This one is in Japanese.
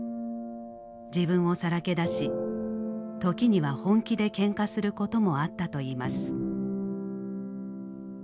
自分をさらけ出し時には本気でケンカすることもあったといいます。